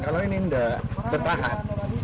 kalau ini nggak bertahan